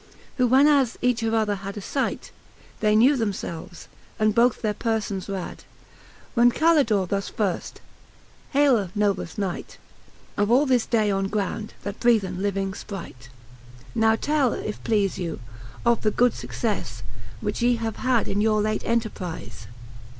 Who when as each of other had a fight, They knew them ielves, and both their perfbns rad : When Calldore thus firft; Haile nobleft Knight Of all this day on ground, that breathen living (pright. V. Now tell, if pleafe you, of the good fuccefle, Which ye have had in your late enterprize.